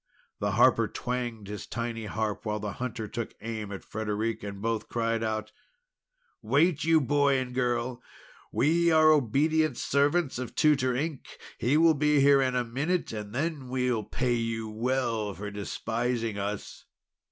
The harper twanged his tiny harp, while the hunter took aim at Frederic; and both cried out: "Wait, you boy and girl! We are obedient servants of Tutor Ink! He will be here in a moment, and then we'll pay you well for despising us!"